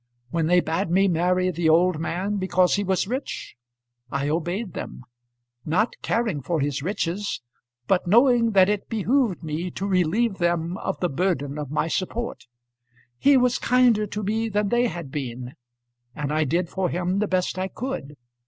When they bade me marry the old man because he was rich, I obeyed them, not caring for his riches, but knowing that it behoved me to relieve them of the burden of my support. He was kinder to me than they had been, and I did for him the best I could.